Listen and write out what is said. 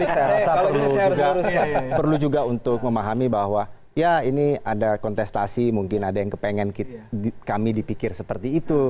saya rasa perlu juga untuk memahami bahwa ya ini ada kontestasi mungkin ada yang kepengen kami dipikir seperti itu